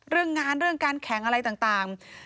เรื่องงานเรื่องการแข่งอะไรต่าง